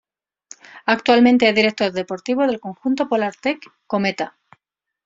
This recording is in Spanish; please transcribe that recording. Actualmente es director deportivo del conjunto Polartec-Kometa.